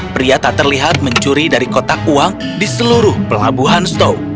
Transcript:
priyata terlihat mencuri dari kotak uang di seluruh pelabuhan stone